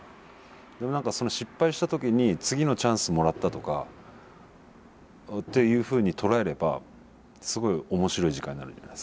でも何かその失敗した時に次のチャンスもらったとかっていうふうに捉えればすごい面白い時間になるじゃないですか。